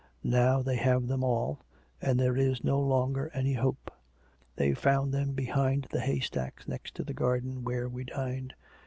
Now they have them all, and there is no longer any hope. They found them behind the haystacks next to the garden where we dined.